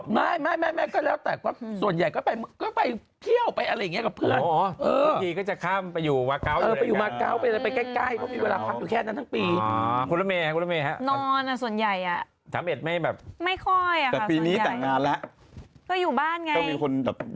มาอยู่กับเพื่อนที่สวดมนต์ล๊อค